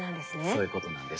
そういうことなんです。